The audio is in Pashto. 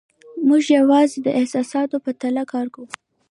موږ یوازې د احساساتو په تله کار کوو.